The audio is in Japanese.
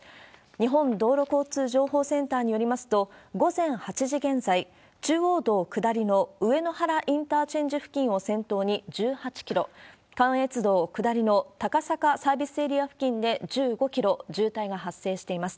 日本道路交通情報センターによりますと、午前８時現在、中央道下りの上野原インターチェンジ付近を先頭に１８キロ、関越道下りの高坂サービスエリア付近で１５キロ、渋滞が発生しています。